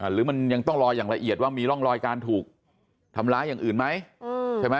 หรือมันยังต้องรออย่างละเอียดว่ามีร่องรอยการถูกทำร้ายอย่างอื่นไหมใช่ไหม